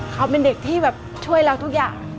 เขาเป็นเด็กที่แบบช่วยเราทุกอย่าง